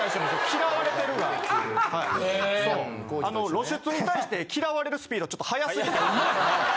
露出に対して嫌われるスピードちょっと速すぎて。